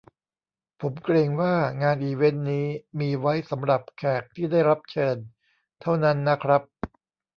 ผมเกรงว่างานอีเวนท์นี้มีไว้สำหรับแขกที่ได้รับเชิญเท่านั้นนะครับ